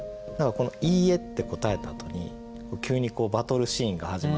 「いいえ」って答えたあとに急にバトルシーンが始まるような。